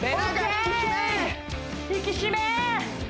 引き締め！